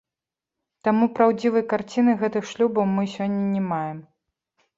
Таму праўдзівай карціны гэтых шлюбаў мы сёння не маем.